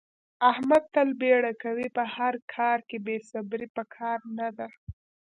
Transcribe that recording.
احمد تل بیړه کوي. په هر کار کې بې صبرې په کار نه ده.